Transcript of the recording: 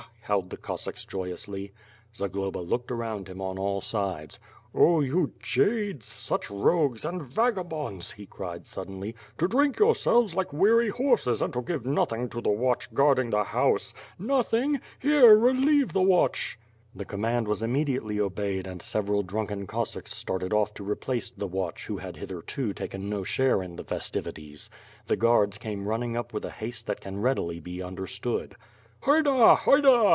howled the Cossacks joyouslv. Zagloba looked around him on all sides. "Oh you jades, such rogues and vagabonds!" he cried sud denly, "to drink yourselves like weary horses and to give nothing to the watch guarding the house. Nothing? Here, relieve the watch!" ^^^ mfR mtE AND SWORD. The command was immediately obeyed and several drunken Cossacks started oft' to replace the watch who had hitherto taken no share in the festivities. The guards came running up with a haste that can readily be understood. "Haida! haida!"